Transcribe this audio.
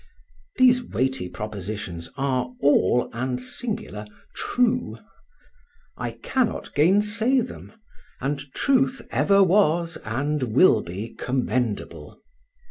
These weighty propositions are, all and singular, true: I cannot gainsay them, and truth ever was, and will be, commendable.